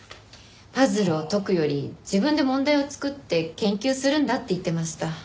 パズルを解くより自分で問題を作って研究するんだって言ってました。